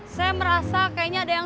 saya merasa kayaknya ada yang